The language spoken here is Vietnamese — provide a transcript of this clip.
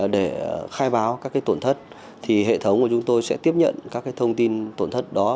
để khai báo các tổn thất thì hệ thống của chúng tôi sẽ tiếp nhận các thông tin tổn thất đó